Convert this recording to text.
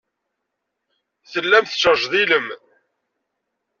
Tellam tettrejdilem.